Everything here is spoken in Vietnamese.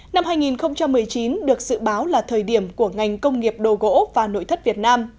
năm hai nghìn một mươi chín được dự báo là thời điểm của ngành công nghiệp đồ gỗ và nội thất việt nam